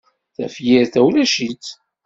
Tafyirt-a ulac-itt.